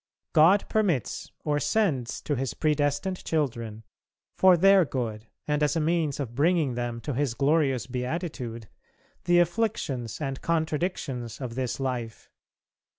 God permits or sends to His predestined children, for their good and as a means of bringing them to His glorious beatitude, the afflictions and contradictions of this life.